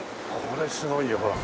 これすごいよほら。